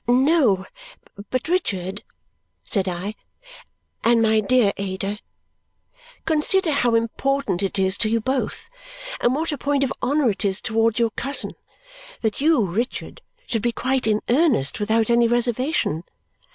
"No, but Richard," said I, "and my dear Ada! Consider how important it is to you both, and what a point of honour it is towards your cousin, that you, Richard, should be quite in earnest without any reservation.